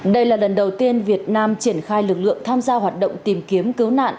đây là lần đầu tiên việt nam triển khai lực lượng tham gia hoạt động tìm kiếm cứu nạn